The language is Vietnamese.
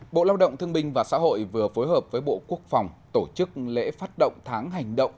bộ lao động thương minh và xã hội vừa phối hợp với bộ quốc phòng tổ chức lễ phát động tháng hành động